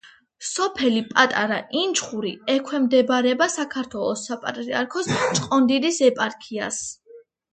სოფელი პატარა ინჩხური ექვემდებარება საქართველოს საპატრიარქოს ჭყონდიდის ეპარქიას.